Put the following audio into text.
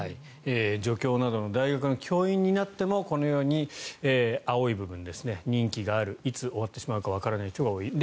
助教などの大学の教員になってもこのように青い部分ですね任期があるいつ終わってしまうかわからない人が多い。